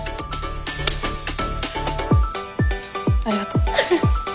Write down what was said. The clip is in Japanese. ありがとう。